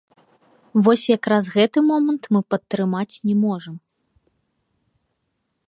Вось якраз гэты момант мы падтрымаць не можам.